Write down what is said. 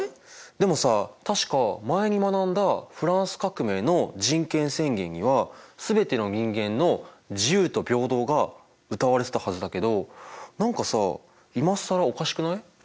でもさ確か前に学んだフランス革命の人権宣言には全ての人間の自由と平等がうたわれてたはずだけど何かさ今更おかしくない？